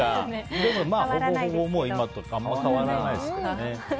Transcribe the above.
でも、ほぼほぼ今と変わらないですけどね。